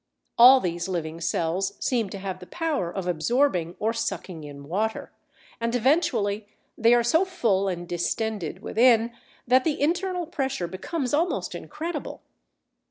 All these living cells seem to have the power of absorbing or sucking in water, and eventually they are so full and distended within, that the internal pressure becomes almost incredible.